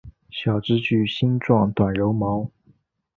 小枝具星状短柔毛。